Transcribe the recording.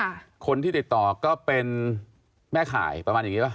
คนที่ติดต่อก็เป็นแม่ข่ายประมาณอย่างงี้ป่